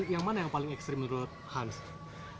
yang mana yang paling ekstrim menurut hans